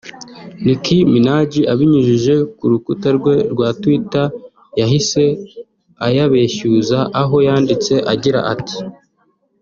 Nicki Minaj abinyujije ku rubuga rwe rwa twitter yahise ayabeshyuza aho yandite agira ati